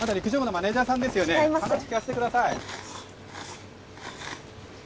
話聞かせてください